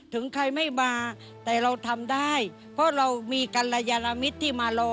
ถึงใครไม่มาแต่เราทำได้เพราะเรามีกันละยะละมิตร